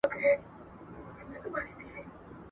موږ به د بې وزلو خلګو سره مرسته وکړو.